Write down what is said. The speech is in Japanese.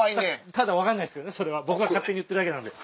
ただ分かんないですけどそれは僕が勝手に言ってるだけなんで。